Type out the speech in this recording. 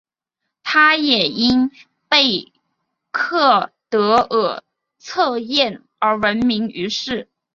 她也因贝克德尔测验而闻名于世。